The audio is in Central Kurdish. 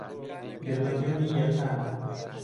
گرمهگرمی یهکانه